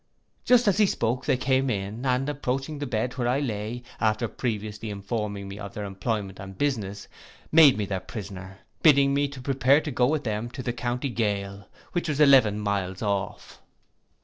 Just as he spoke they came in, and approaching the bed where I lay, after previously informing me of their employment and business, made me their prisoner, bidding me prepare to go with them to the county gaol, which was eleven miles off.